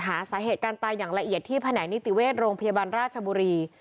หาสาเหตุการตายอย่างละเอียดที่แผนกนิติเวชโรงพยาบาลราชบุรี